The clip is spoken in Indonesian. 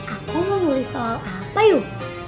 aku mau nulis soal apa yuk